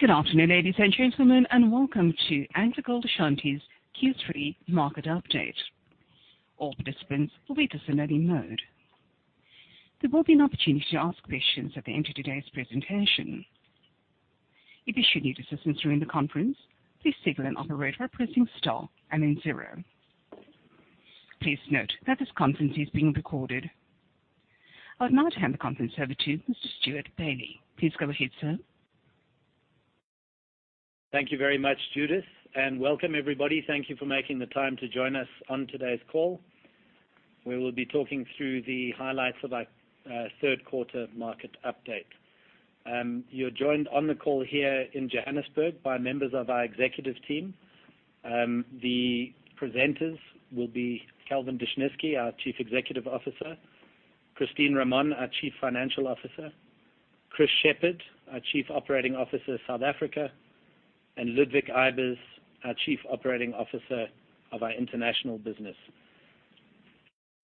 Good afternoon, ladies and gentlemen, and welcome to AngloGold Ashanti's Q3 market update. All participants will be listening in mode. There will be an opportunity to ask questions at the end of today's presentation. If you should need assistance during the conference, please signal an operator by pressing star and then zero. Please note that this conference is being recorded. I would now hand the conference over to Mr. Stewart Bailey. Please go ahead, sir. Thank you very much, Judith, welcome everybody. Thank you for making the time to join us on today's call. We will be talking through the highlights of our third quarter market update. You're joined on the call here in Johannesburg by members of our executive team. The presenters will be Kelvin Dushnisky, our Chief Executive Officer, Christine Ramon, our Chief Financial Officer, Chris Sheppard, our Chief Operating Officer, South Africa, and Ludwig Eybers, our Chief Operating Officer of our international business.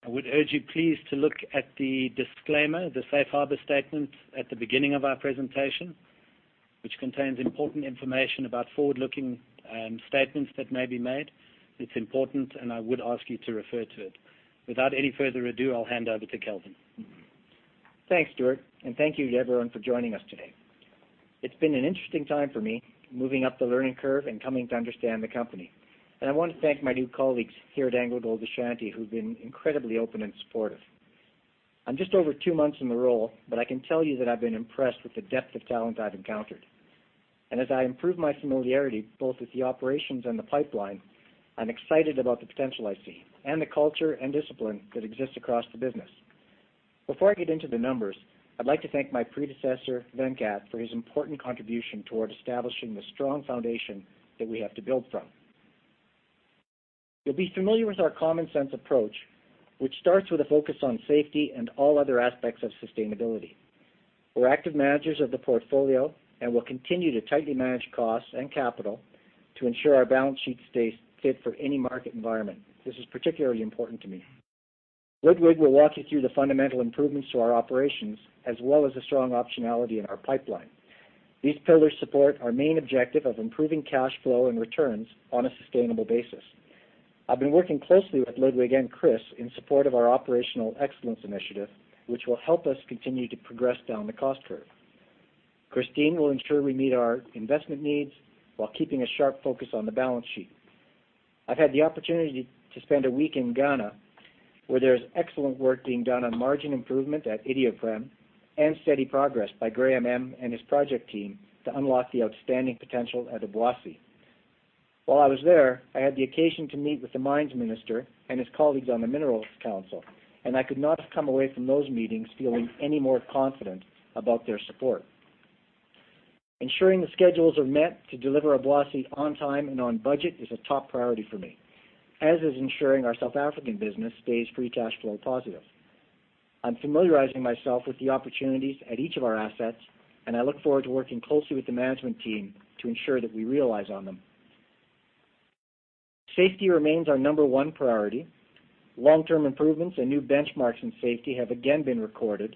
I would urge you please to look at the disclaimer, the safe harbor statement at the beginning of our presentation, which contains important information about forward-looking statements that may be made. It's important, and I would ask you to refer to it. Without any further ado, I'll hand over to Kelvin. Thanks, Stewart, thank you to everyone for joining us today. It's been an interesting time for me, moving up the learning curve and coming to understand the company. I want to thank my new colleagues here at AngloGold Ashanti who've been incredibly open and supportive. I'm just over two months in the role, but I can tell you that I've been impressed with the depth of talent I've encountered. As I improve my familiarity both with the operations and the pipeline, I'm excited about the potential I see and the culture and discipline that exists across the business. Before I get into the numbers, I'd like to thank my predecessor, Venkat, for his important contribution toward establishing the strong foundation that we have to build from. You'll be familiar with our common sense approach, which starts with a focus on safety and all other aspects of sustainability. We're active managers of the portfolio and will continue to tightly manage costs and capital to ensure our balance sheet stays fit for any market environment. This is particularly important to me. Ludwig will walk you through the fundamental improvements to our operations, as well as the strong optionality in our pipeline. These pillars support our main objective of improving cash flow and returns on a sustainable basis. I've been working closely with Ludwig and Chris in support of our operational excellence initiative, which will help us continue to progress down the cost curve. Christine will ensure we meet our investment needs while keeping a sharp focus on the balance sheet. I've had the opportunity to spend a week in Ghana, where there's excellent work being done on margin improvement at Iduapriem and steady progress by Graham Ehm. and his project team to unlock the outstanding potential at Obuasi. While I was there, I had the occasion to meet with the mines minister and his colleagues on the Minerals Council. I could not have come away from those meetings feeling any more confident about their support. Ensuring the schedules are met to deliver Obuasi on time and on budget is a top priority for me, as is ensuring our South African business stays free cash flow positive. I'm familiarizing myself with the opportunities at each of our assets. I look forward to working closely with the management team to ensure that we realize on them. Safety remains our number 1 priority. Long-term improvements and new benchmarks in safety have again been recorded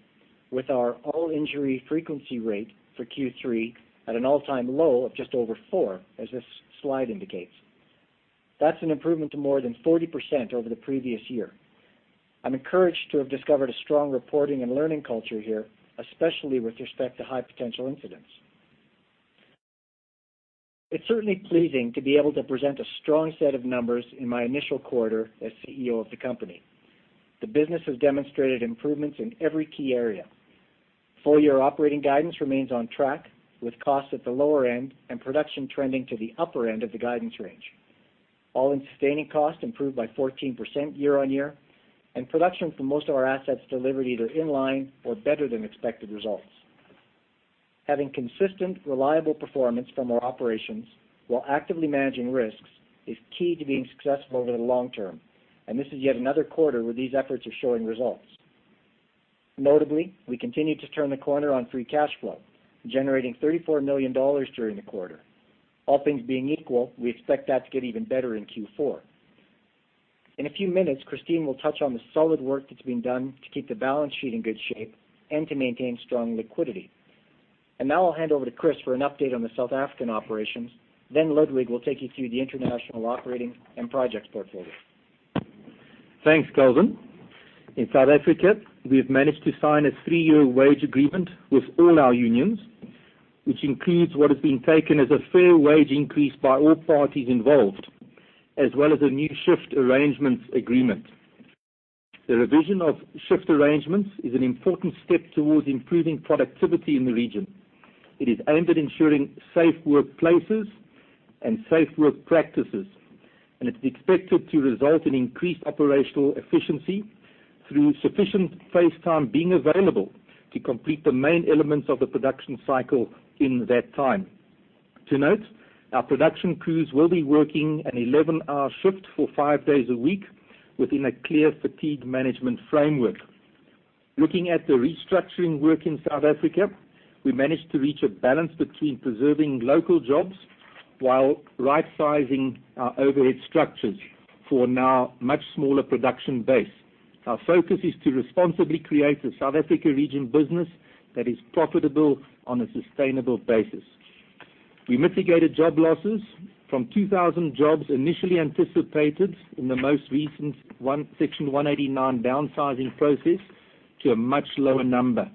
with our all-injury frequency rate for Q3 at an all-time low of just over four, as this slide indicates. That's an improvement to more than 40% over the previous year. I'm encouraged to have discovered a strong reporting and learning culture here, especially with respect to high potential incidents. It's certainly pleasing to be able to present a strong set of numbers in my initial quarter as CEO of the company. The business has demonstrated improvements in every key area. Full-year operating guidance remains on track, with costs at the lower end and production trending to the upper end of the guidance range. all-in sustaining cost improved by 14% year-over-year. Production for most of our assets delivered either in-line or better than expected results. Having consistent, reliable performance from our operations while actively managing risks is key to being successful over the long term, and this is yet another quarter where these efforts are showing results. Notably, we continued to turn the corner on free cash flow, generating $34 million during the quarter. All things being equal, we expect that to get even better in Q4. In a few minutes, Christine will touch on the solid work that's being done to keep the balance sheet in good shape and to maintain strong liquidity. Now I'll hand over to Chris for an update on the South African operations. Ludwig will take you through the international operating and projects portfolio. Thanks, Kelvin. In South Africa, we've managed to sign a three-year wage agreement with all our unions, which includes what is being taken as a fair wage increase by all parties involved, as well as a new shift arrangements agreement. The revision of shift arrangements is an important step towards improving productivity in the region. It is aimed at ensuring safe workplaces and safe work practices. It's expected to result in increased operational efficiency through sufficient phase time being available to complete the main elements of the production cycle in that time. To note, our production crews will be working an 11-hour shift for five days a week within a clear fatigue management framework. Looking at the restructuring work in South Africa, we managed to reach a balance between preserving local jobs while right-sizing our overhead structures for now much smaller production base. Our focus is to responsibly create a South Africa region business that is profitable on a sustainable basis. We mitigated job losses from 2,000 jobs initially anticipated in the most recent Section 189 downsizing process to a much lower number.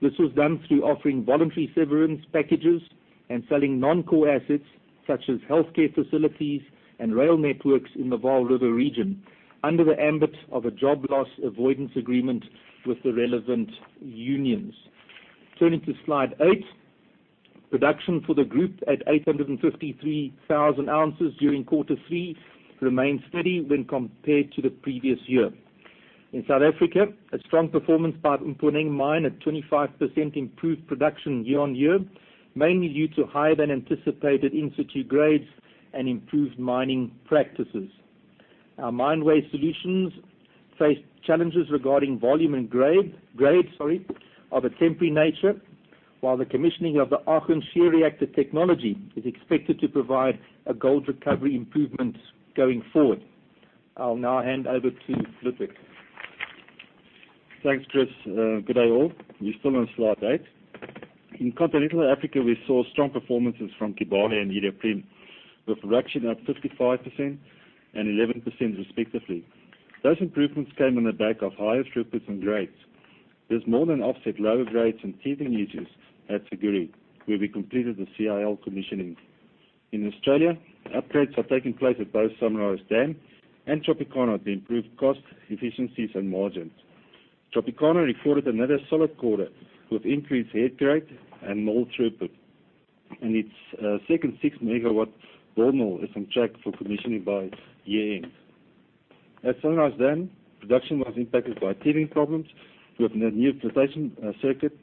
This was done through offering voluntary severance packages and selling non-core assets such as healthcare facilities and rail networks in the Vaal River region, under the ambit of a job loss avoidance agreement with the relevant unions. Turning to slide eight, production for the group at 853,000 ounces during quarter three remained steady when compared to the previous year. In South Africa, a strong performance by Mponeng mine at 25% improved production year-on-year, mainly due to higher than anticipated in-situ grades and improved mining practices. Our Mine Waste Solutions faced challenges regarding volume and grade, of a temporary nature, while the commissioning of the Aachen Shear Reactor technology is expected to provide a gold recovery improvement going forward. I'll now hand over to Ludwig. Thanks, Chris. Good day all. We're still on slide eight. In continental Africa, we saw strong performances from Kibali and Iduapriem, with production up 55% and 11% respectively. Those improvements came on the back of higher throughputs and grades. This more than offset lower grades and teething issues at Siguiri, where we completed the CIL commissioning. In Australia, upgrades are taking place at both Sunrise Dam and Tropicana to improve cost efficiencies and margins. Tropicana reported another solid quarter, with increased head grade and more throughput. Its second 6 megawatt ball mill is on track for commissioning by year-end. At Sunrise Dam, production was impacted by teething problems with the new flotation circuit,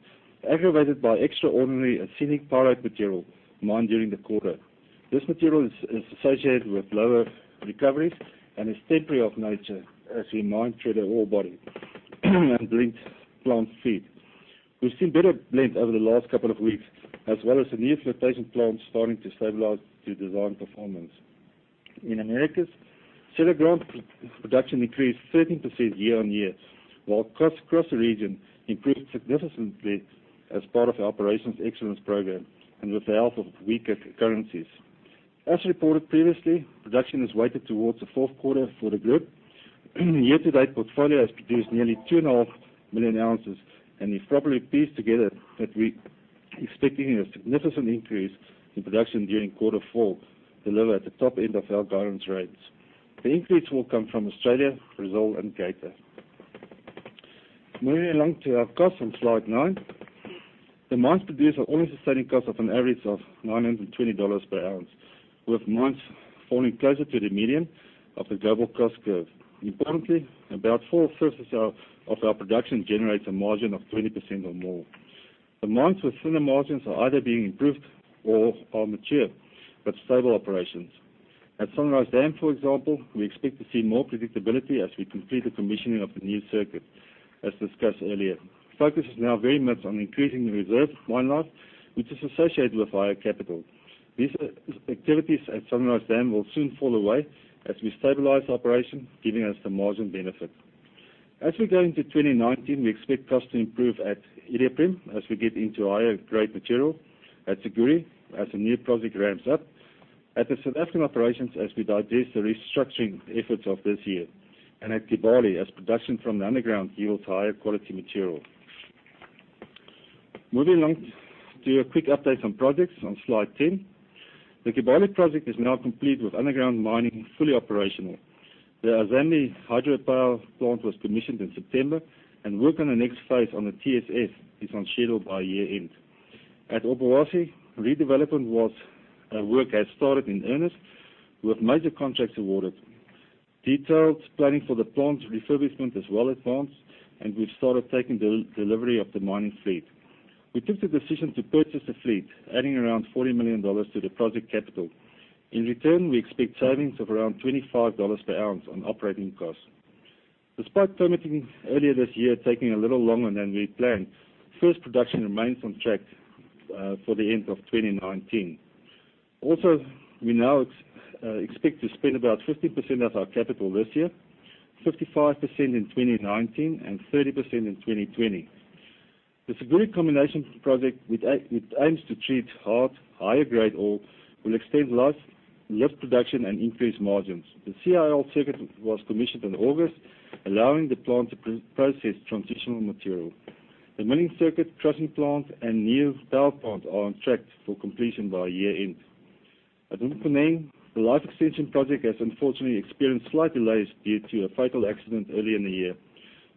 aggravated by extraordinary arsenic pyrite material mined during the quarter. This material is associated with lower recoveries and is temporary of nature as we mine through the ore body and blend plant feed. We've seen better blend over the last couple of weeks, as well as the new flotation plant starting to stabilize to design performance. In Americas, Cerro Vanguardia production increased 13% year-on-year, while costs across the region improved significantly as part of the operations excellence program and with the help of weaker currencies. As reported previously, production is weighted towards the fourth quarter for the group. Year-to-date portfolio has produced nearly two and a half million ounces, and we've properly pieced together that we're expecting a significant increase in production during quarter four delivered at the top end of our guidance range. The increase will come from Australia, Brazil, and Geita. Moving along to our costs on slide nine. The mines produce an all-in sustaining cost of an average of $920 per ounce, with mines falling closer to the median of the global cost curve. Importantly, about four-fifths of our production generates a margin of 20% or more. The mines with thinner margins are either being improved or are mature, but stable operations. At Sunrise Dam, for example, we expect to see more predictability as we complete the commissioning of the new circuit, as discussed earlier. Focus is now very much on increasing the reserve mine life, which is associated with higher capital. These activities at Sunrise Dam will soon fall away as we stabilize operation, giving us the margin benefit. As we go into 2019, we expect costs to improve at Iduapriem as we get into higher grade material, at Siguiri as the new project ramps up, at the South African operations as we digest the restructuring efforts of this year, and at Kibali as production from the underground yields higher quality material. Moving along to a quick update on projects on slide 10. The Kibali project is now complete with underground mining fully operational. The Azambi hydropower plant was commissioned in September, and work on the next phase on the TSF is on schedule by year end. At Obuasi, redevelopment work has started in earnest, with major contracts awarded. Detailed planning for the plant refurbishment is well advanced, and we've started taking delivery of the mining fleet. We took the decision to purchase the fleet, adding around $40 million to the project capital. In return, we expect savings of around $25 per ounce on operating costs. Despite permitting earlier this year taking a little longer than we had planned, first production remains on track for the end of 2019. We now expect to spend about 50% of our capital this year, 55% in 2019, and 30% in 2020. The Siguiri combination project, which aims to treat hard, higher grade ore, will extend life, lift production, and increase margins. The CIL circuit was commissioned in August, allowing the plant to process transitional material. The milling circuit, crushing plant, and new power plant are on track for completion by year end. At Mponeng, the life extension project has unfortunately experienced slight delays due to a fatal accident earlier in the year,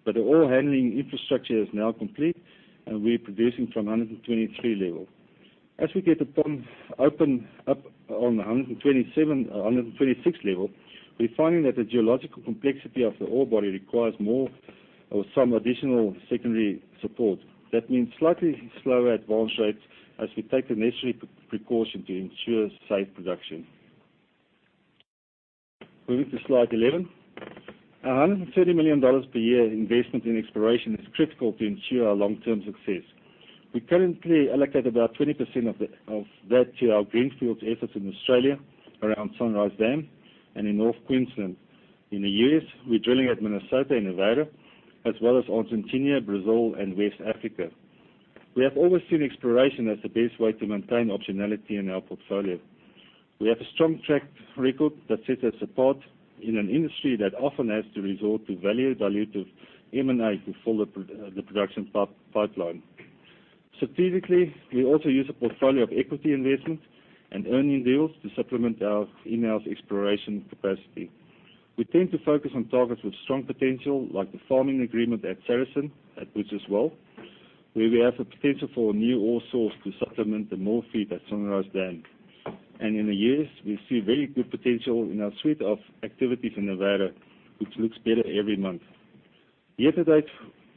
but the ore handling infrastructure is now complete, and we're producing from 123 level. As we get the plant open up on 126 level, we're finding that the geological complexity of the ore body requires more, or some additional secondary support. That means slightly slower advance rates as we take the necessary precaution to ensure safe production. Moving to slide 11. Our $130 million per year investment in exploration is critical to ensure our long-term success. We currently allocate about 20% of that to our greenfields efforts in Australia around Sunrise Dam and in North Queensland. In the U.S., we're drilling at Minnesota and Nevada as well as Argentina, Brazil, and West Africa. We have always seen exploration as the best way to maintain optionality in our portfolio. We have a strong track record that sets us apart in an industry that often has to resort to value-dilutive M&A to follow the production pipeline. Strategically, we also use a portfolio of equity investments and earn-in deals to supplement our in-house exploration capacity. We tend to focus on targets with strong potential, like the farming agreement at Saracen at Butcher's Well, where we have the potential for a new ore source to supplement the ore feed at Sunrise Dam. In the U.S., we see very good potential in our suite of activities in Nevada, which looks better every month. Year to date,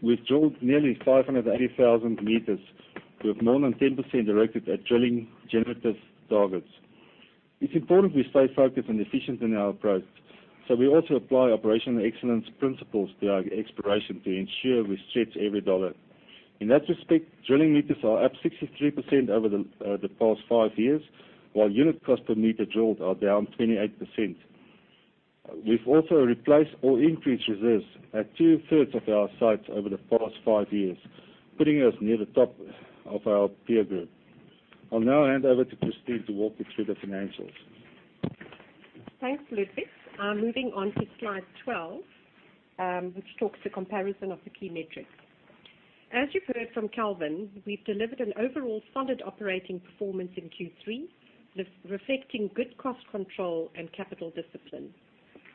we have drilled nearly 580,000 meters, with more than 10% directed at drilling generative targets. It is important we stay focused and efficient in our approach, so we also apply operational excellence principles to our exploration to ensure we stretch every dollar. In that respect, drilling meters are up 63% over the past five years, while unit cost per meter drilled are down 28%. We have also replaced or increased reserves at two-thirds of our sites over the past five years, putting us near the top of our peer group. I will now hand over to Christine to walk you through the financials. Thanks, Ludwig. Moving on to slide 12, which talks the comparison of the key metrics. As you have heard from Kelvin, we have delivered an overall solid operating performance in Q3, reflecting good cost control and capital discipline.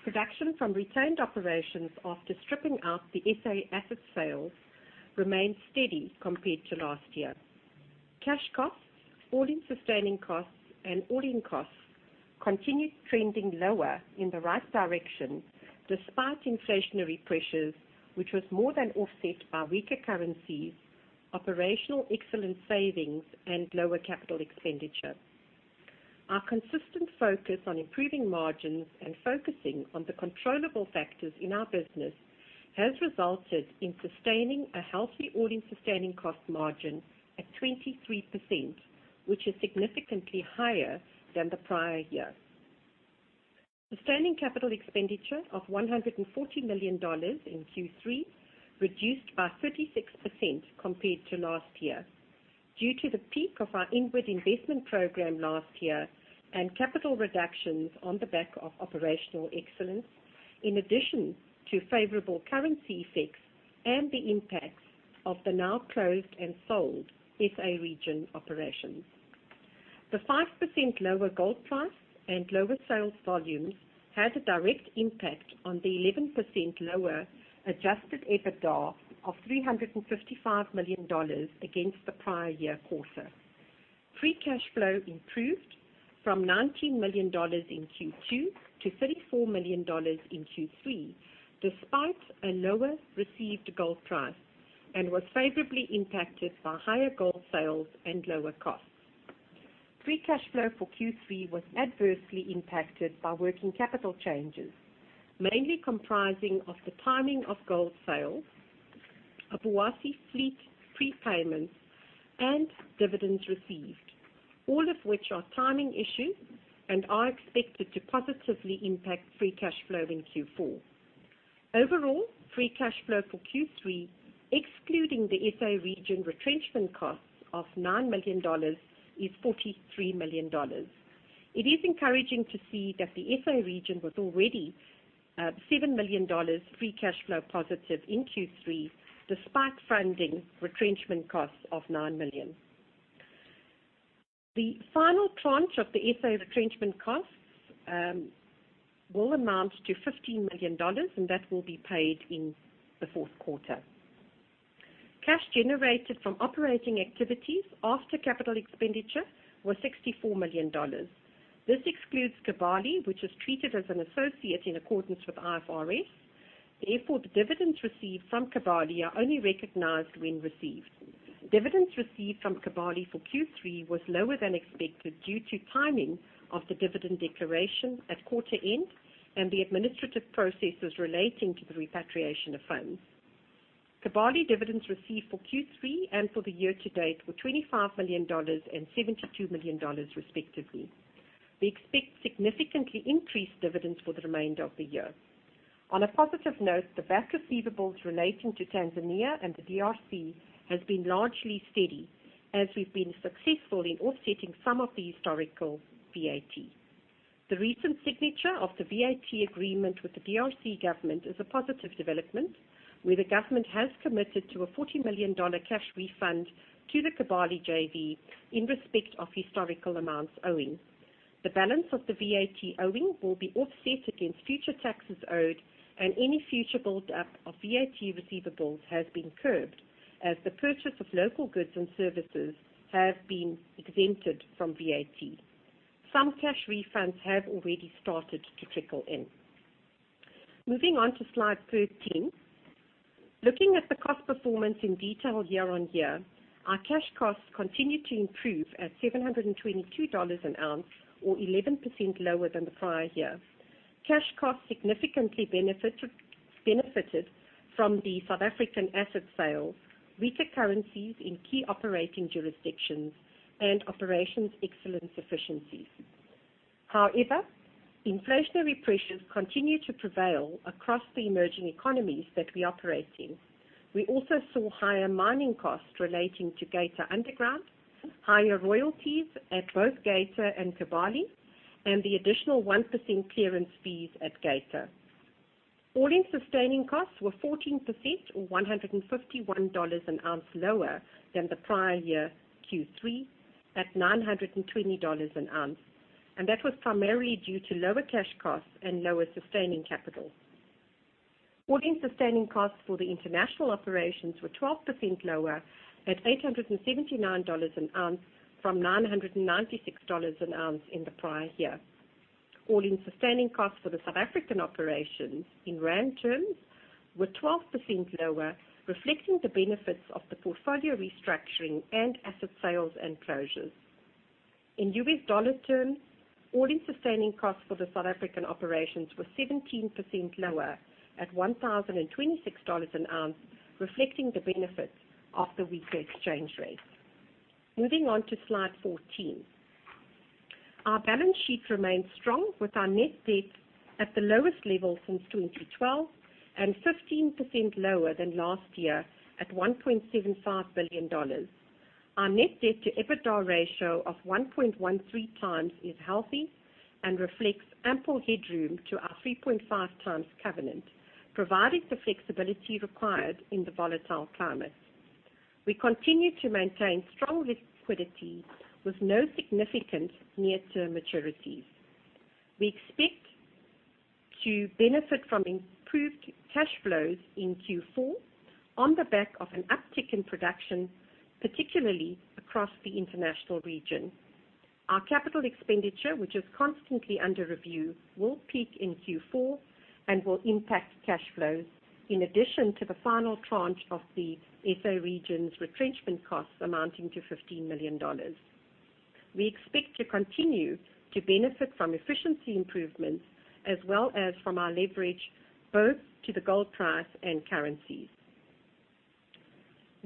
Production from retained operations after stripping out the SA asset sales remained steady compared to last year. Cash costs, all-in sustaining costs, and all-in costs continued trending lower in the right direction despite inflationary pressures, which was more than offset by weaker currencies, operational excellence savings, and lower capital expenditure. Our consistent focus on improving margins and focusing on the controllable factors in our business has resulted in sustaining a healthy all-in sustaining cost margin at 23%, which is significantly higher than the prior year. Sustaining capital expenditure of $140 million in Q3 reduced by 36% compared to last year due to the peak of our inward investment program last year and capital reductions on the back of operational excellence, in addition to favorable currency effects and the impacts of the now closed and sold SA region operations. The 5% lower gold price and lower sales volumes had a direct impact on the 11% lower adjusted EBITDA of $355 million against the prior year quarter. Free cash flow improved from $19 million in Q2 to $34 million in Q3, despite a lower received gold price and was favorably impacted by higher gold sales and lower costs. Free cash flow for Q3 was adversely impacted by working capital changes, mainly comprising of the timing of gold sales, Obuasi fleet prepayments, and dividends received, all of which are timing issues and are expected to positively impact free cash flow in Q4. Overall, free cash flow for Q3, excluding the SA region retrenchment costs of $9 million, is $43 million. It is encouraging to see that the SA region was already $7 million free cash flow positive in Q3, despite funding retrenchment costs of $9 million. The final tranche of the SA retrenchment costs will amount to $15 million, and that will be paid in the fourth quarter. Cash generated from operating activities after capital expenditure was $64 million. This excludes Kibali, which is treated as an associate in accordance with IFRS. Therefore, the dividends received from Kibali are only recognized when received. Dividends received from Kibali for Q3 was lower than expected due to timing of the dividend declaration at quarter end and the administrative processes relating to the repatriation of funds. Kibali dividends received for Q3 and for the year to date were $25 million and $72 million, respectively. We expect significantly increased dividends for the remainder of the year. On a positive note, the VAT receivables relating to Tanzania and the DRC has been largely steady as we've been successful in offsetting some of the historical VAT. The recent signature of the VAT agreement with the DRC government is a positive development, where the government has committed to a $40 million cash refund to the Kibali JV in respect of historical amounts owing. The balance of the VAT owing will be offset against future taxes owed, and any future buildup of VAT receivables has been curbed as the purchase of local goods and services have been exempted from VAT. Some cash refunds have already started to trickle in. Moving on to slide 13. Looking at the cost performance in detail year on year, our cash costs continue to improve at $722 an ounce or 11% lower than the prior year. Cash costs significantly benefited from the South African asset sales, weaker currencies in key operating jurisdictions, and operations excellence efficiencies. However, inflationary pressures continue to prevail across the emerging economies that we operate in. We also saw higher mining costs relating to Geita underground, higher royalties at both Geita and Kibali, and the additional 1% clearance fees at Geita. All-in sustaining costs were 14% or $151 an ounce lower than the prior year Q3 at $920 an ounce. That was primarily due to lower cash costs and lower sustaining capital. All-in sustaining costs for the international operations were 12% lower at $879 an ounce from $996 an ounce in the prior year. All-in sustaining costs for the South African operations in rand terms were 12% lower, reflecting the benefits of the portfolio restructuring and asset sales and closures. In U.S. dollar terms, all-in sustaining costs for the South African operations were 17% lower at $1,026 an ounce, reflecting the benefits of the weaker exchange rate. Moving on to slide 14. Our balance sheet remains strong with our net debt at the lowest level since 2012 and 15% lower than last year at $1.75 billion. Our net debt to EBITDA ratio of 1.13 times is healthy and reflects ample headroom to our 3.5 times covenant, providing the flexibility required in the volatile climate. We continue to maintain strong liquidity with no significant near-term maturities. We expect to benefit from improved cash flows in Q4 on the back of an uptick in production, particularly across the international region. Our capital expenditure, which is constantly under review, will peak in Q4 and will impact cash flows in addition to the final tranche of the SA region's retrenchment costs amounting to $15 million. We expect to continue to benefit from efficiency improvements as well as from our leverage both to the gold price and currencies.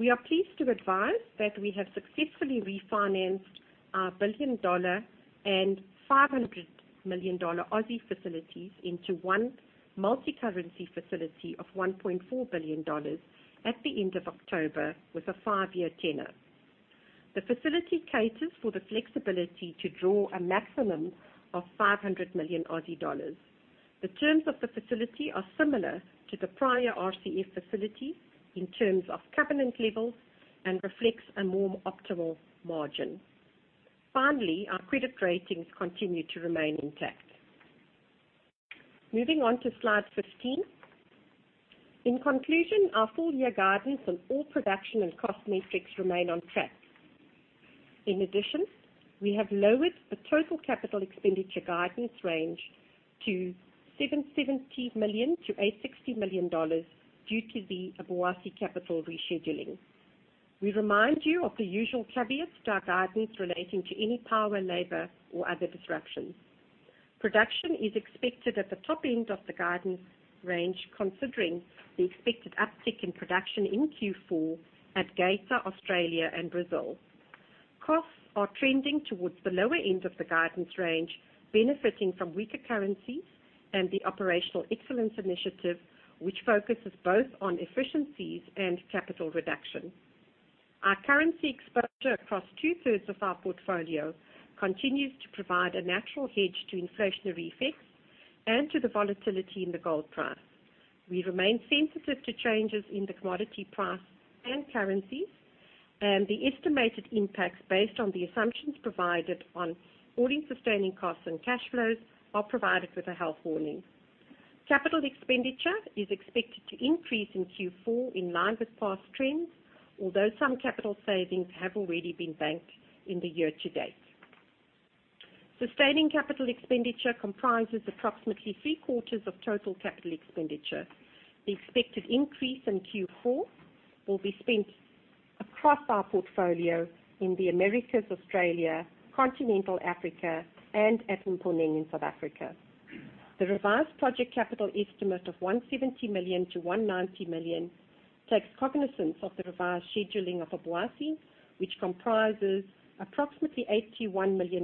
We are pleased to advise that we have successfully refinanced our billion-dollar and AUD 500 million facilities into one multi-currency facility of $1.4 billion at the end of October with a five-year tenor. The facility caters for the flexibility to draw a maximum of 500 million Aussie dollars. The terms of the facility are similar to the prior RCF facility in terms of covenant levels and reflects a more optimal margin. Finally, our credit ratings continue to remain intact. Moving on to slide 15. In conclusion, our full year guidance on all production and cost metrics remain on track. In addition, we have lowered the total capital expenditure guidance range to $770 million-$860 million due to the Obuasi capital rescheduling. We remind you of the usual caveat to our guidance relating to any power, labor or other disruptions. Production is expected at the top end of the guidance range, considering the expected uptick in production in Q4 at Geita, Australia and Brazil. Costs are trending towards the lower end of the guidance range, benefiting from weaker currencies and the operational excellence initiative, which focuses both on efficiencies and capital reduction. Our currency exposure across two-thirds of our portfolio continues to provide a natural hedge to inflationary effects and to the volatility in the gold price. We remain sensitive to changes in the commodity price and currencies, and the estimated impacts based on the assumptions provided on all-in sustaining costs and cash flows are provided with a health warning. Capital expenditure is expected to increase in Q4 in line with past trends, although some capital savings have already been banked in the year to date. Sustaining capital expenditure comprises approximately three-quarters of total capital expenditure. The expected increase in Q4 will be spent across our portfolio in the Americas, Australia, continental Africa and at Mponeng in South Africa. The revised project capital estimate of $170 million-$190 million takes cognizance of the revised scheduling of Obuasi, which comprises approximately $81 million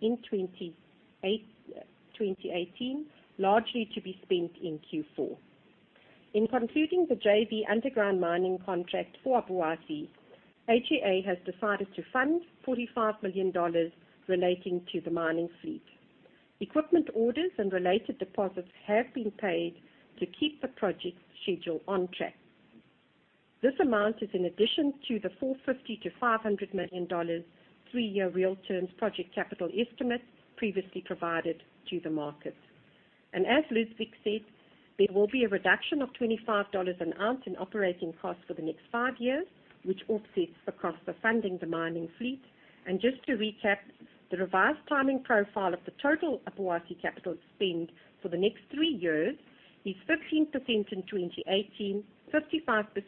in 2018, largely to be spent in Q4. In concluding the JV underground mining contract for Obuasi, AGA has decided to fund $45 million relating to the mining fleet. Equipment orders and related deposits have been paid to keep the project schedule on track. This amount is in addition to the $450 million-$500 million three-year real terms project capital estimate previously provided to the market. As Ludwig said, there will be a reduction of $25 an ounce in operating costs for the next five years, which offsets the cost of funding the mining fleet. Just to recap, the revised timing profile of the total Obuasi capital spend for the next three years is 15% in 2018, 55%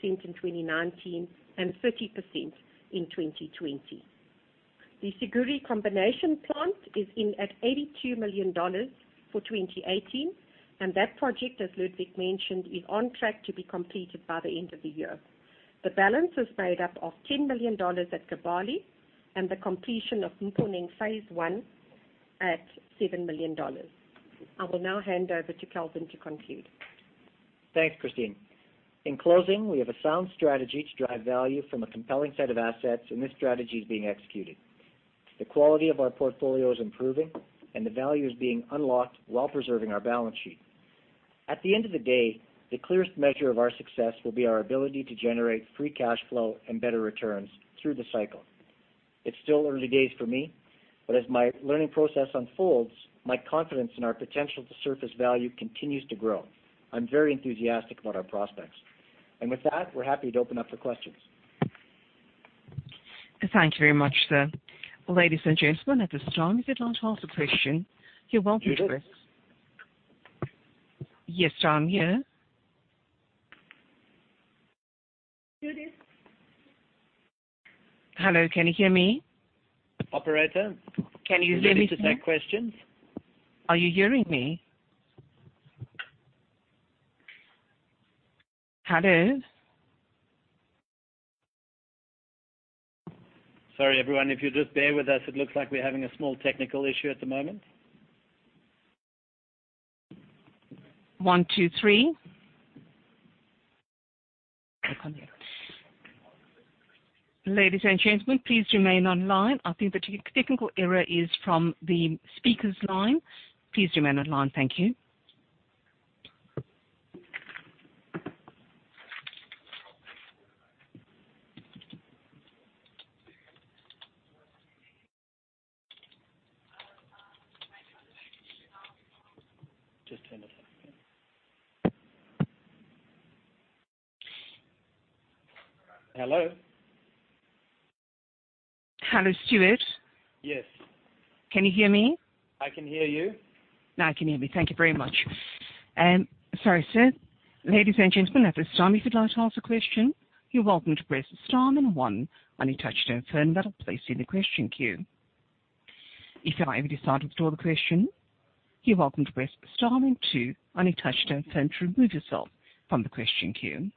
in 2019, and 30% in 2020. The Siguiri combination project is in at $82 million for 2018, and that project, as Ludwig mentioned, is on track to be completed by the end of the year. The balance is made up of $10 million at Kibali and the completion of Nkoni phase 1 at $7 million. I will now hand over to Kelvin to conclude. Thanks, Christine. In closing, we have a sound strategy to drive value from a compelling set of assets. This strategy is being executed. The quality of our portfolio is improving. The value is being unlocked while preserving our balance sheet. At the end of the day, the clearest measure of our success will be our ability to generate free cash flow and better returns through the cycle. It's still early days for me, but as my learning process unfolds, my confidence in our potential to surface value continues to grow. I'm very enthusiastic about our prospects. With that, we're happy to open up for questions. Thank you very much, sir. Ladies and gentlemen, at this time, if you'd like to ask a question, you're welcome to press- Judith. Yes, John, here. Judith. Hello, can you hear me? Operator. Can you hear me? Ready to take questions. Are you hearing me? Hello? Sorry, everyone. If you'd just bear with us, it looks like we're having a small technical issue at the moment. One, two, three. Click on it. Ladies and gentlemen, please remain online. I think the technical error is from the speaker's line. Please remain online. Thank you. Just turn it on again. Hello. Hello, Stewart? Yes. Can you hear me? I can hear you. Now he can hear me. Thank you very much. Sorry, sir. Ladies and gentlemen, at this time, if you'd like to ask a question, you're welcome to press star and one on your touchtone phone. That'll place you in the question queue. If at any time you decide to withdraw the question, you're welcome to press star and two on your touchtone phone to remove yourself from the question queue.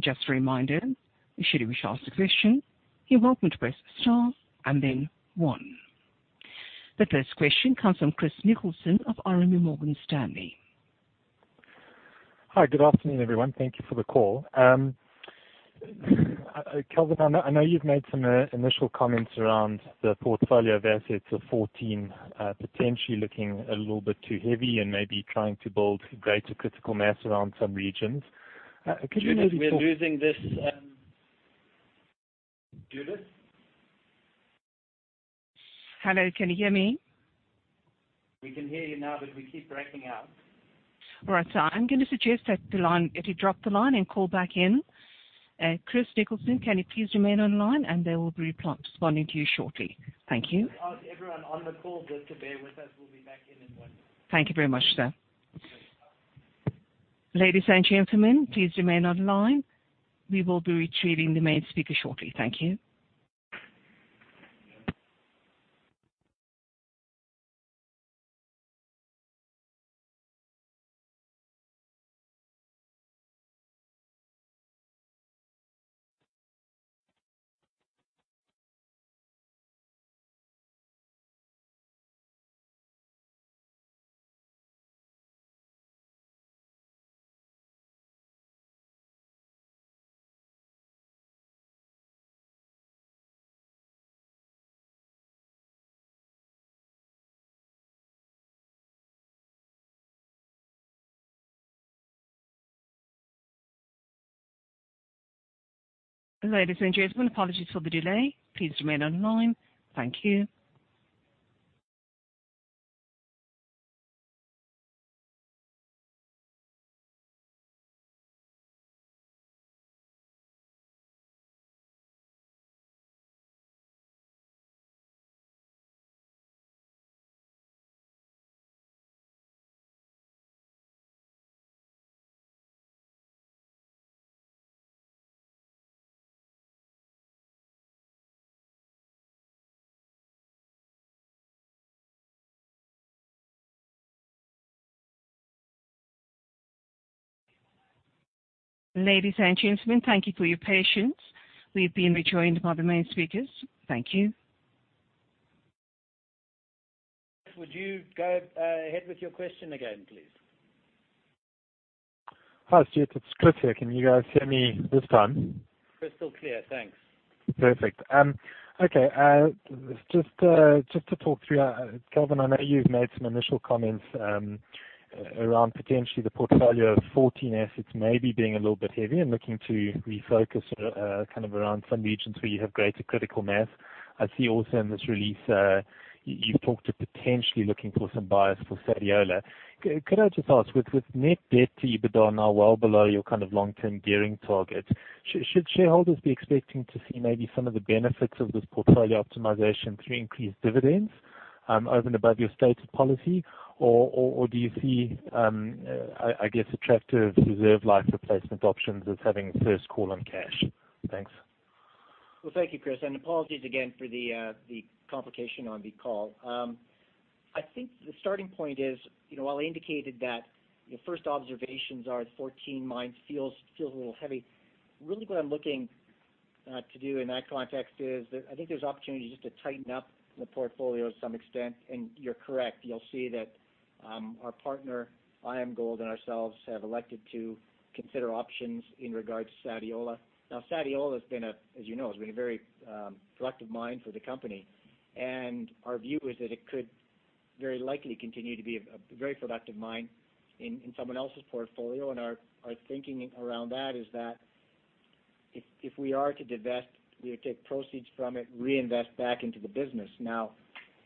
Just a reminder, should you wish to ask a question, you're welcome to press star and then one. The first question comes from Chris Nicholson of RMB Morgan Stanley. Hi, good afternoon, everyone. Thank you for the call. Kelvin, I know you've made some initial comments around the portfolio of assets of 14, potentially looking a little bit too heavy and maybe trying to build greater critical mass around some regions. Can you maybe talk Judith, we're losing this Judith? Hello, can you hear me? We can hear you now. We keep breaking out. All right, sir. I'm going to suggest that you drop the line and call back in. Chris Nicholson, can you please remain online. They will be responding to you shortly. Thank you. I'll ask everyone on the call just to bear with us. We'll be back in a moment. Thank you very much, sir. Ladies and gentlemen, please remain online. We will be retrieving the main speaker shortly. Thank you. Ladies and gentlemen, apologies for the delay. Please remain online. Thank you. Ladies and gentlemen, thank you for your patience. We've been rejoined by the main speakers. Thank you. Would you go ahead with your question again, please? Hi, Stewart. It's Chris here. Can you guys hear me this time? Crystal clear, thanks. Perfect. Okay. Just to talk through, Kelvin, I know you've made some initial comments around potentially the portfolio of 14 assets maybe being a little bit heavy and looking to refocus sort of around some regions where you have greater critical mass. I see also in this release you've talked to potentially looking for some buyers for Sadiola. Could I just ask, with net debt to EBITDA now well below your kind of long-term gearing target, should shareholders be expecting to see maybe some of the benefits of this portfolio optimization through increased dividends over and above your stated policy, or do you see attractive reserve life replacement options as having first call on cash? Thanks. Thank you, Chris, and apologies again for the complication on the call. I think the starting point is, while I indicated that first observations are the 14 mines feels a little heavy. Really what I'm looking to do in that context is, I think there's opportunity just to tighten up the portfolio to some extent. You're correct, you'll see that our partner, IAMGOLD and ourselves, have elected to consider options in regards to Sadiola. Sadiola has been a, as you know, has been a very productive mine for the company, and our view is that it could very likely continue to be a very productive mine in someone else's portfolio. Our thinking around that is that if we are to divest, we would take proceeds from it, reinvest back into the business.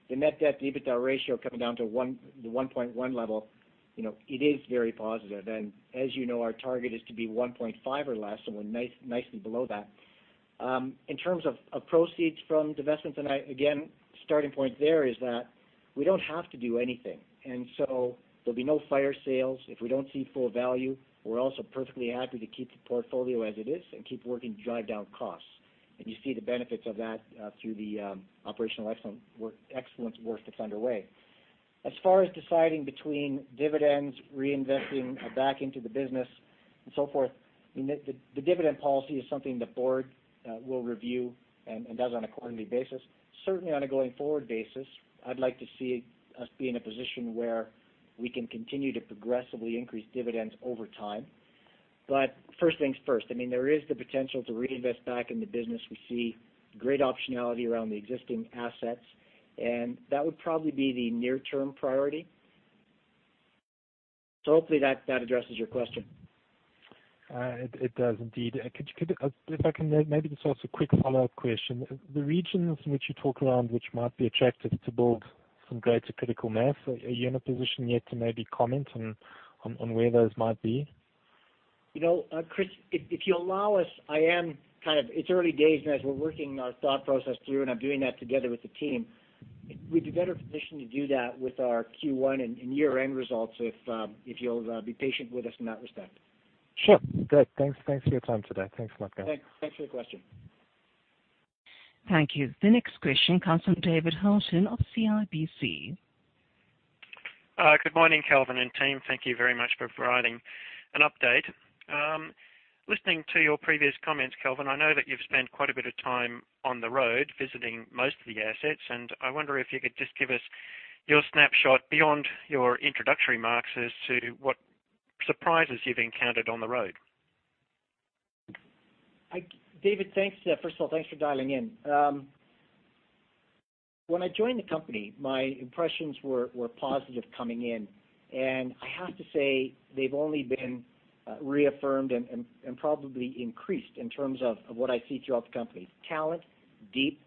The net debt to EBITDA ratio coming down to the 1.1 level, it is very positive. As you know, our target is to be 1.5 or less, so we're nicely below that. In terms of proceeds from divestments, again, starting point there is that we don't have to do anything. There'll be no fire sales if we don't see full value. We're also perfectly happy to keep the portfolio as it is and keep working to drive down costs. You see the benefits of that through the operational excellence work that's underway. As far as deciding between dividends, reinvesting back into the business and so forth, the dividend policy is something the board will review and does on a quarterly basis. Certainly, on a going-forward basis, I'd like to see us be in a position where we can continue to progressively increase dividends over time. First things first. There is the potential to reinvest back in the business. We see great optionality around the existing assets, and that would probably be the near-term priority. Hopefully that addresses your question. It does indeed. If I can maybe just ask a quick follow-up question. The regions in which you talk around which might be attractive to build some greater critical mass, are you in a position yet to maybe comment on where those might be? Chris, if you allow us, it's early days and as we're working our thought process through, and I'm doing that together with the team, we'd be better positioned to do that with our Q1 and year-end results if you'll be patient with us in that respect. Sure. Good. Thanks for your time today. Thanks a lot. Thanks for the question. Thank you. The next question comes from David Haughton of CIBC. Good morning, Kelvin and team. Thank you very much for providing an update. Listening to your previous comments, Kelvin, I know that you've spent quite a bit of time on the road visiting most of the assets, and I wonder if you could just give us your snapshot beyond your introductory marks as to what surprises you've encountered on the road. David, thanks. First of all, thanks for dialing in. When I joined the company, my impressions were positive coming in, and I have to say they've only been reaffirmed and probably increased in terms of what I see throughout the company. Talent, deep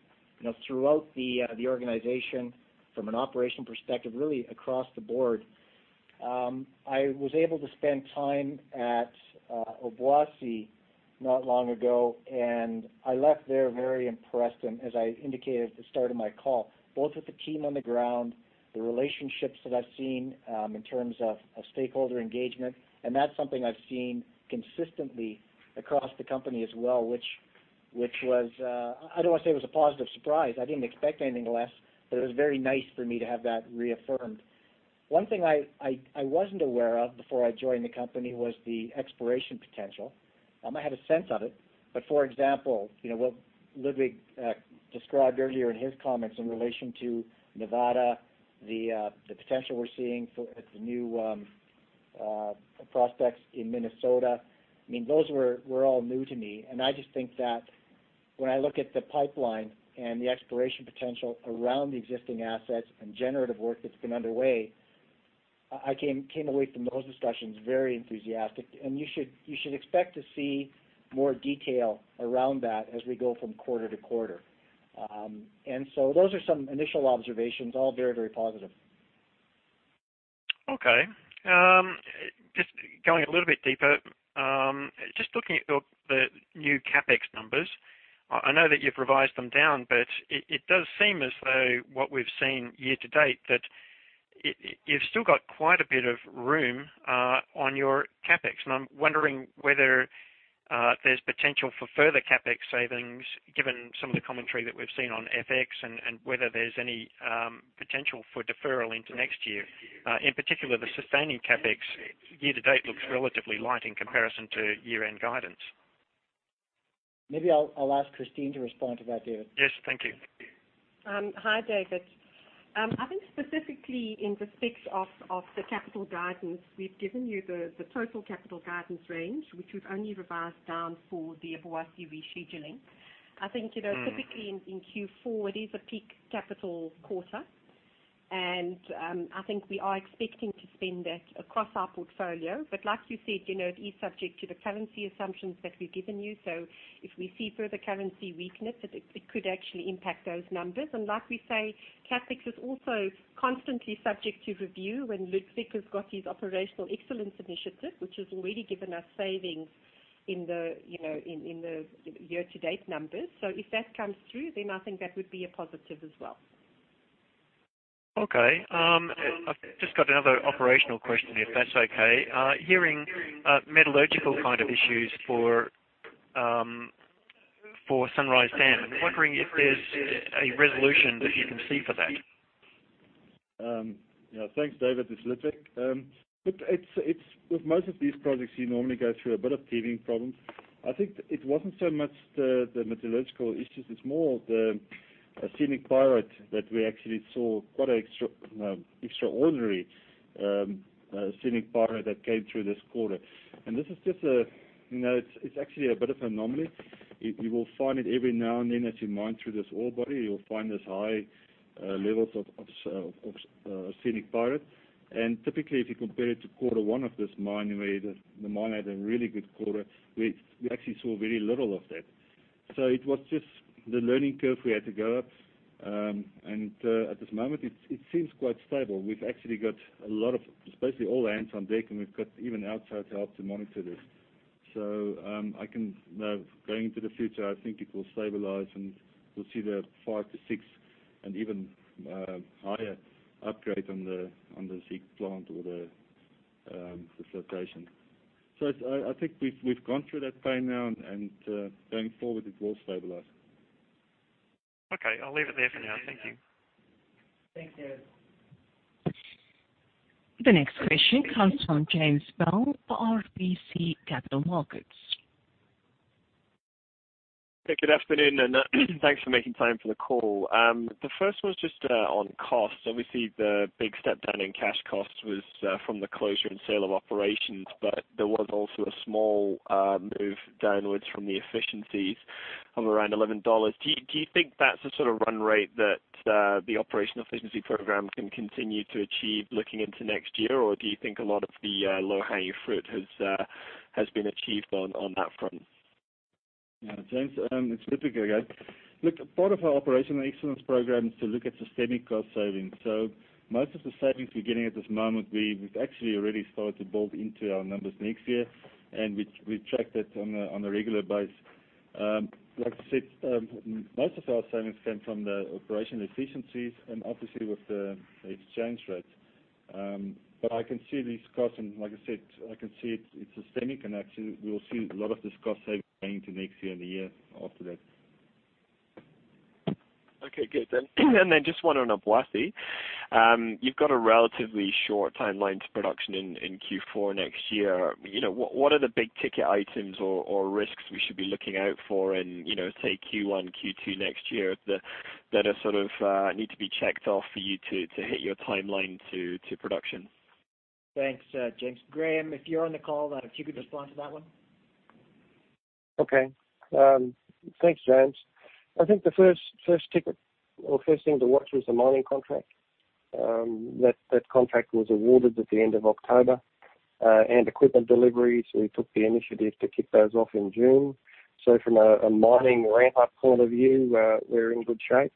throughout the organization from an operation perspective, really across the board. I was able to spend time at Obuasi not long ago, and I left there very impressed, and as I indicated at the start of my call, both with the team on the ground, the relationships that I've seen in terms of stakeholder engagement. That's something I've seen consistently across the company as well, which was, I don't want to say it was a positive surprise. I didn't expect anything less, but it was very nice for me to have that reaffirmed. One thing I wasn't aware of before I joined the company was the exploration potential. I had a sense of it, but for example, what Ludwig described earlier in his comments in relation to Nevada, the potential we're seeing at the new prospects in Minnesota, those were all new to me. I just think that when I look at the pipeline and the exploration potential around the existing assets and generative work that's been underway, I came away from those discussions very enthusiastic. You should expect to see more detail around that as we go from quarter to quarter. Those are some initial observations, all very, very positive. Okay. Just going a little bit deeper. Just looking at the new CapEx numbers. I know that you've revised them down, it does seem as though what we've seen year to date, that you've still got quite a bit of room on your CapEx. I am wondering whether there is potential for further CapEx savings given some of the commentary that we've seen on FX and whether there is any potential for deferral into next year. In particular, the sustaining CapEx year to date looks relatively light in comparison to year-end guidance. Maybe I will ask Christine to respond to that, David. Yes. Thank you. Hi, David. I think specifically in respect of the capital guidance, we've given you the total capital guidance range, which we've only revised down for the Obuasi rescheduling. I think typically in Q4, it is a peak capital quarter. I think we are expecting to spend that across our portfolio. Like you said, it is subject to the currency assumptions that we've given you. If we see further currency weakness, it could actually impact those numbers. Like we say, CapEx is also constantly subject to review when Ludwig has got his operational excellence initiative, which has already given us savings in the year-to-date numbers. If that comes through, I think that would be a positive as well. Okay. I've just got another operational question, if that's okay. Hearing metallurgical kind of issues for Sunrise Dam. I'm wondering if there's a resolution that you can see for that. Yeah. Thanks, David. It's Ludwig. Look, with most of these projects, you normally go through a bit of teething problems. I think it wasn't so much the metallurgical issues, it's more of the arsenic pyrite that we actually saw, quite extraordinary arsenic pyrite that came through this quarter. It's actually a bit of an anomaly. You will find it every now and then as you mine through this ore body, you'll find this high levels of arsenic pyrite. Typically, if you compare it to quarter one of this mine, where the mine had a really good quarter, we actually saw very little of that. It was just the learning curve we had to go up. At this moment, it seems quite stable. We've actually got a lot of, basically all hands on deck, and we've got even outside help to monitor this. Going into the future, I think it will stabilize, and we'll see the five to six and even higher upgrade on the CIL plant or the flotation. I think we've gone through that pain now, going forward, it will stabilize. Okay. I'll leave it there for now. Thank you. Thanks, David. The next question comes from James Bell, RBC Capital Markets. Hey, good afternoon, and thanks for making time for the call. The first one is just on costs. Obviously, the big step down in cash costs was from the closure and sale of operations. There was also a small move downwards from the efficiencies of around $11. Do you think that's the sort of run rate that the operational efficiency program can continue to achieve looking into next year? Do you think a lot of the low-hanging fruit has been achieved on that front? James, it's Ludwig again. Look, part of our Operational Excellence program is to look at systemic cost savings. Most of the savings we're getting at this moment, we've actually already started to build into our numbers next year, and we track that on a regular basis. Like I said, most of our savings came from the operational efficiencies and obviously with the exchange rate. I can see these costs and like I said, I can see it's systemic, and actually we will see a lot of this cost saving going into next year and the year after that. Okay, good. Just one on Obuasi. You've got a relatively short timeline to production in Q4 next year. What are the big-ticket items or risks we should be looking out for in, say, Q1, Q2 next year that need to be checked off for you to hit your timeline to production? Thanks, James. Graham, if you're on the call, if you could respond to that one. Okay. Thanks, James. I think the first ticket or first thing to watch was the mining contract. That contract was awarded at the end of October. Equipment deliveries, we took the initiative to kick those off in June. From a mining ramp-up point of view, we're in good shape.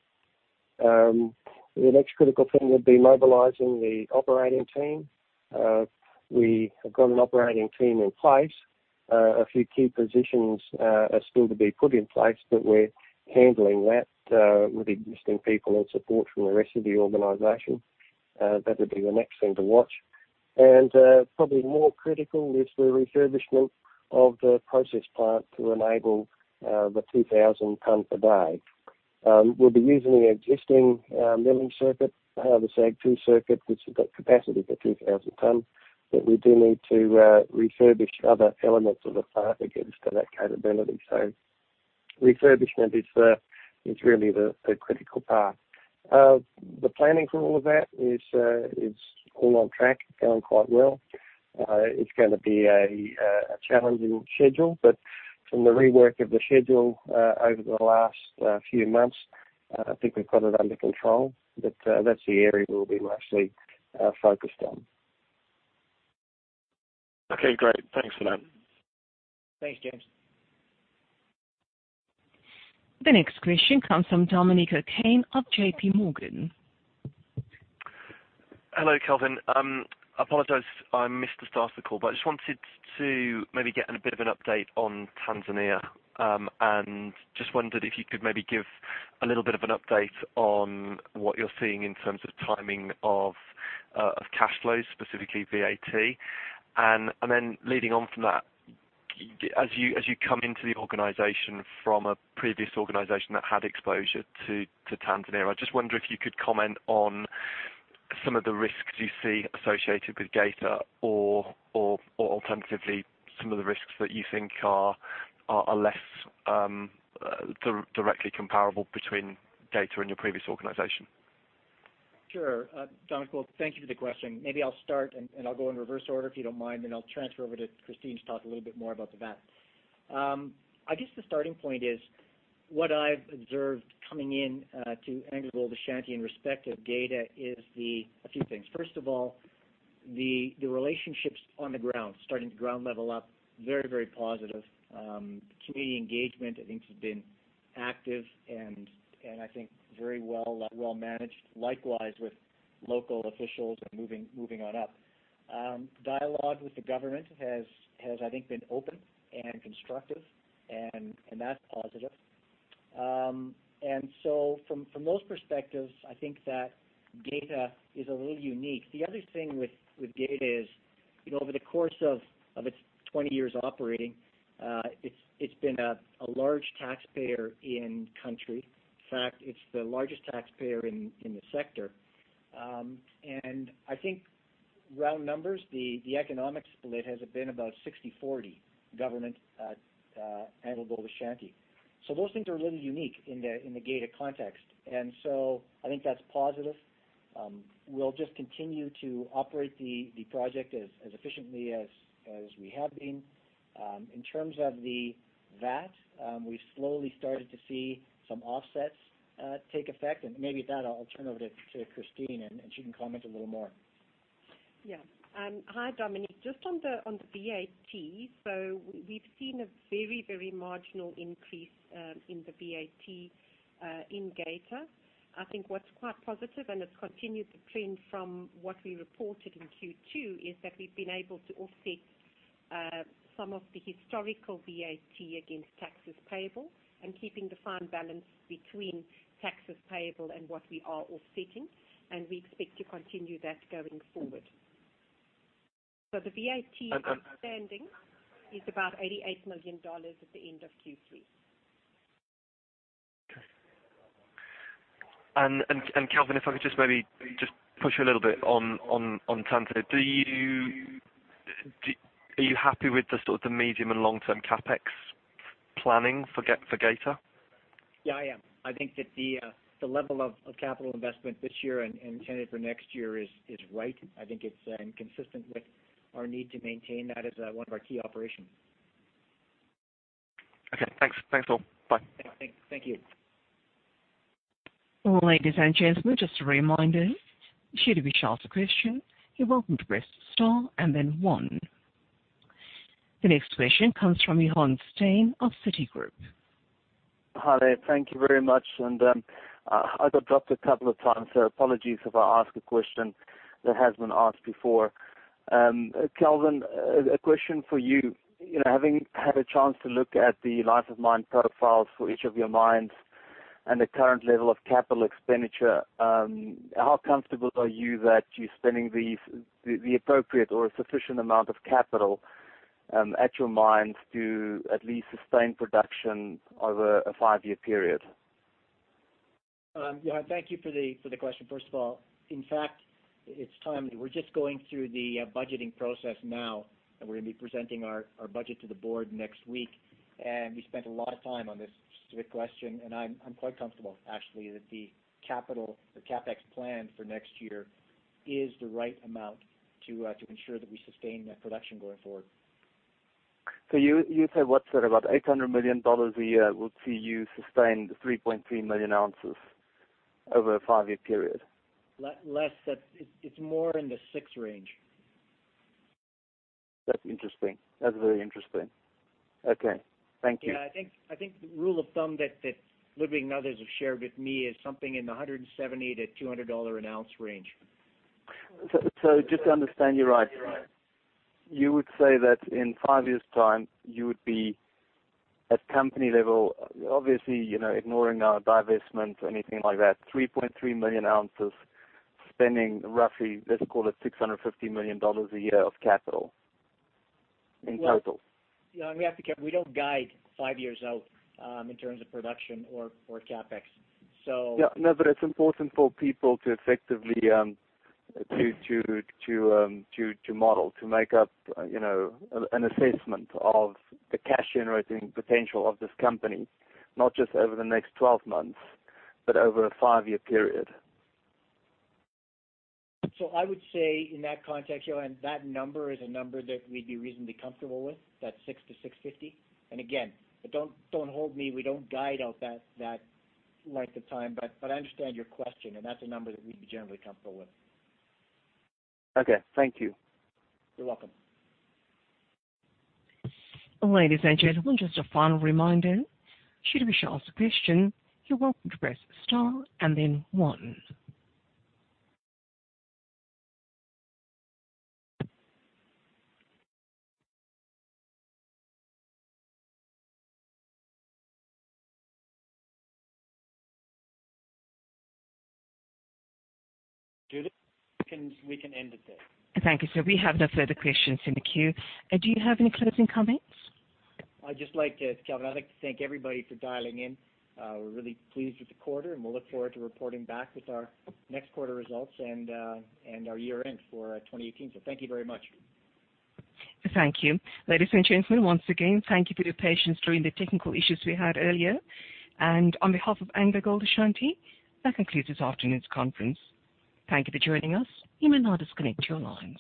The next critical thing would be mobilizing the operating team. We have got an operating team in place. A few key positions are still to be put in place, but we're handling that with existing people and support from the rest of the organization. That would be the next thing to watch. Probably more critical is the refurbishment of the process plant to enable the 2,000 tonne per day. We'll be using the existing milling circuit, the SAG2 circuit, which has got capacity for 2,000 tonne. We do need to refurbish other elements of the plant to get us to that capability. Refurbishment is really the critical path. The planning for all of that is all on track. It's going quite well. It's going to be a challenging schedule, but from the rework of the schedule over the last few months, I think we've got it under control. That's the area we'll be mostly focused on. Okay, great. Thanks for that. Thanks, James. The next question comes from Dominic O'Kane of JPMorgan. Hello, Kelvin. I apologize I missed the start of the call. I just wanted to maybe get a bit of an update on Tanzania. Just wondered if you could maybe give a little bit of an update on what you're seeing in terms of timing of cash flows, specifically VAT. Leading on from that, as you come into the organization from a previous organization that had exposure to Tanzania, I just wonder if you could comment on some of the risks you see associated with Geita or alternatively, some of the risks that you think are less directly comparable between Geita and your previous organization. Sure, Dominic. Well, thank you for the question. Maybe I'll start, and I'll go in reverse order, if you don't mind, then I'll transfer over to Christine to talk a little bit more about that. I guess the starting point is what I've observed coming into AngloGold Ashanti in respect of Geita is a few things. First of all, the relationships on the ground, starting at ground level up, very positive. Community engagement, I think, has been active and I think very well managed. Likewise with local officials and moving on up. Dialogue with the government has, I think, been open and constructive, and that's positive. From those perspectives, I think that Geita is a little unique. The other thing with Geita is, over the course of its 20 years operating, it's been a large taxpayer in the country. In fact, it's the largest taxpayer in the sector. I think round numbers, the economics split has been about 60/40, government, AngloGold Ashanti. Those things are really unique in the Geita context. I think that's positive. We'll just continue to operate the project as efficiently as we have been. In terms of the VAT, we've slowly started to see some offsets take effect, and maybe that I'll turn over to Christine, and she can comment a little more. Yeah. Hi, Dominic. Just on the VAT, we've seen a very marginal increase in the VAT in Geita. I think what's quite positive, and it's continued to trend from what we reported in Q2, is that we've been able to offset some of the historical VAT against taxes payable and keeping the fine balance between taxes payable and what we are offsetting, and we expect to continue that going forward. The VAT outstanding is about $88 million at the end of Q3. Okay. Kelvin, if I could just maybe, just push a little bit on Tanzania. Are you happy with the medium and long-term CapEx planning for Geita? Yeah, I am. I think that the level of capital investment this year and intended for next year is right. I think it's inconsistent with our need to maintain that as one of our key operations. Okay, thanks. Thanks all. Bye. Thank you. Ladies and gentlemen, just a reminder, should you wish to ask a question, you're welcome to press star and then 1. The next question comes from Johann Steyn of Citigroup. Hi there. Thank you very much. I got dropped a couple of times, apologies if I ask a question that has been asked before. Kelvin, a question for you. Having had a chance to look at the life of mine profiles for each of your mines and the current level of capital expenditure, how comfortable are you that you're spending the appropriate or sufficient amount of capital at your mines to at least sustain production over a five-year period? Johann, thank you for the question, first of all. In fact, it's timely. We're just going through the budgeting process now, we're going to be presenting our budget to the board next week, we spent a lot of time on this specific question, I'm quite comfortable, actually, that the CapEx plan for next year is the right amount to ensure that we sustain that production going forward. You say, what's that, about $800 million a year will see you sustain the 3.3 million ounces over a five-year period? Less. It's more in the six range. That's interesting. That's very interesting. Okay. Thank you. Yeah, I think the rule of thumb that Ludwig and others have shared with me is something in the $170-$200 an ounce range. Just to understand you right. You would say that in five years' time, you would be at company level, obviously, ignoring our divestment or anything like that, 3.3 million ounces, spending roughly, let's call it $650 million a year of capital in total. We have to be careful. We don't guide five years out, in terms of production or CapEx. It's important for people to effectively model, to make up an assessment of the cash-generating potential of this company, not just over the next 12 months, but over a five-year period. I would say in that context, Johann, that number is a number that we'd be reasonably comfortable with, that $600 million-$650 million. Don't hold me, we don't guide out that length of time. I understand your question, and that's a number that we'd be generally comfortable with. Okay. Thank you. You're welcome. Ladies and gentlemen, just a final reminder, should you wish to ask a question, you're welcome to press star and then one. Judith, we can end it there. Thank you. We have no further questions in the queue. Do you have any closing comments? Kelvin, I'd like to thank everybody for dialing in. We're really pleased with the quarter. We'll look forward to reporting back with our next quarter results and our year-end for 2018. Thank you very much. Thank you. Ladies and gentlemen, once again, thank you for your patience during the technical issues we had earlier. On behalf of AngloGold Ashanti, that concludes this afternoon's conference. Thank you for joining us. You may now disconnect your lines.